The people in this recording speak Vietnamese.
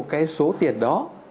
cái số tiền đó